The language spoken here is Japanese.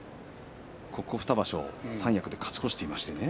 ここ２場所三役で勝ち越しています。